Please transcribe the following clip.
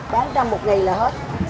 bán trăm một ngày là hết